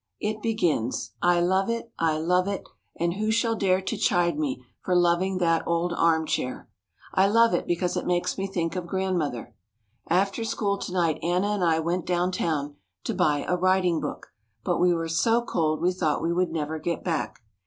It begins, "I love it, I love it, and who shall dare to chide me for loving that old arm chair?" I love it because it makes me think of Grandmother. After school to night Anna and I went downtown to buy a writing book, but we were so cold we thought we would never get back.